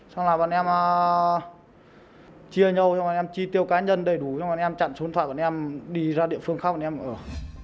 xong là bọn em chia nhau bọn em chi tiêu cá nhân đầy đủ bọn em chặn số điện thoại bọn em đi ra địa phương khác bọn em ở